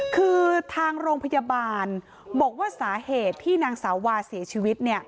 คือทางโรงพยาบาลบอกว่าสาเหตุที่นางสาวาเสียชีวิต